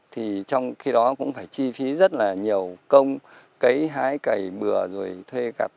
thì trong khi đó cũng phải chi phí rất là nhiều công cấy hái cầy bừa rồi thuê cặp